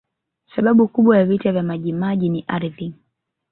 sababu kubwa ya vita vya majimaji ni ardhi